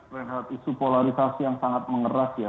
pernah lihat isu polarisasi yang sangat mengeras ya